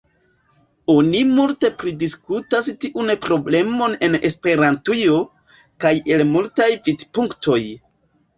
Oni multe pridiskutas tiun problemon en Esperantujo, kaj el multaj vidpunktoj.